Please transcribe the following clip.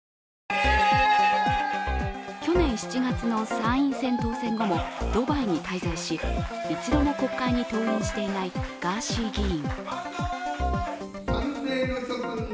去年７月の参院選当選後もドバイに滞在し一度も国会に登院していないガーシー議員。